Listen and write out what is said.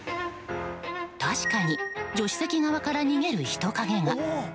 確かに助手席側から逃げる人影が。